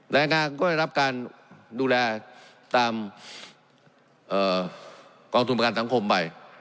แรงงานก็ได้รับการดูแลตามกองทุนประกันสังคมไป